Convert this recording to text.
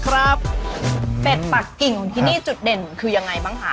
เป็ดปักกิ่งของที่นี่จุดเด่นคือยังไงบ้างคะ